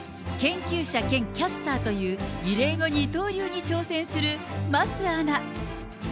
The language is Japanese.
研究者兼キャスターという異例の二刀流に挑戦する桝アナ。